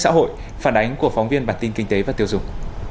xã hội phản ánh của phóng viên bản tin kinh tế và tiêu dùng